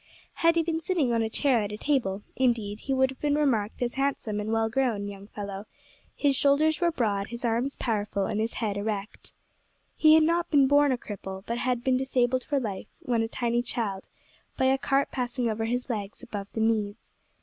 Had he been sitting on a chair at a table, indeed, he would have been remarked as a handsome and well grown young fellow; his shoulders were broad, his arms powerful, and his head erect. He had not been born a cripple, but had been disabled for life, when a tiny child, by a cart passing over his legs above the knees.